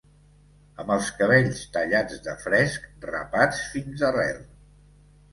Amb els cabells tallats de fresc, rapats fins arrel